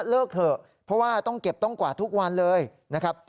เถอะเพราะว่าต้องเก็บต้องกว่าทุกวันเลยนะครับ